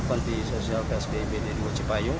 panti sosial ksb bd di mujipayung